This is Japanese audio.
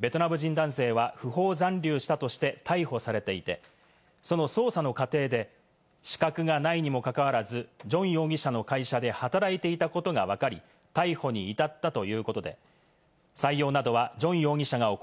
ベトナム人男性は不法残留したとして逮捕されていて、その捜査の過程で資格がないにもかかわらず、ジョン容疑者の会社でここからは全国の気象情報をお伝えします。